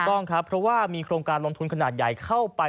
ต้องครับเพราะว่ามีโครงการลงทุนขนาดใหญ่เข้าไป